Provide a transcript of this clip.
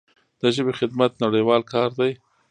د ژبې خدمت نړیوال کار دی.